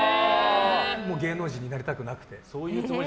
芸能人になりたくなくて。